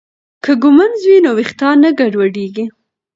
که ږمنځ وي نو ویښتان نه ګډوډیږي.